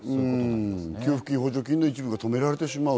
給付金、補助金の一部が止められてしまう。